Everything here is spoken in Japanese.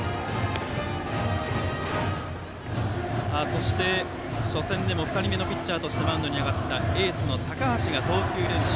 そして初戦でも２人目のピッチャーとしてマウンドに上がったエースの高橋が投球練習。